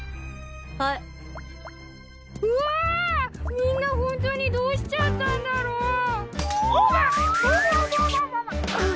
みんなホントにどうしちゃったんだろう？おぶっ！